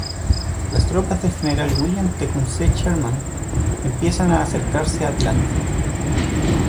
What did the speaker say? Las tropas del General William Tecumseh Sherman empiezan a acercarse a Atlanta.